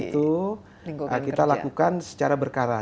itu kita lakukan secara berkara